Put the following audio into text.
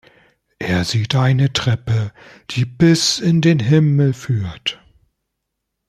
Er sieht eine Treppe, die bis in den Himmel führt.